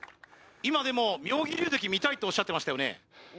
今でも妙義龍関見たいっておっしゃってましたよね